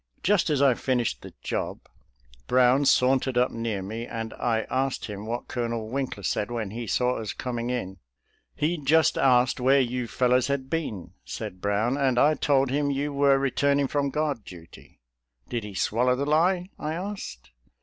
Just as I finished the job. 192 SOLDIER'S LETTERS TO CHARMING NELLIE Brown sauntered up near me and I asked him what Colonel Winkler said when he saw us com ing in. " He just asked where you fellows had been," said Brown, "and I told him you were returning from guard duty." " Did he swallow the lie.? " I asked.